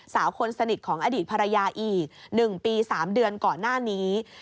สาวคนสนิทของอดีตภรรยาอีก๑ปี๓เดือนก่อนหน้านี้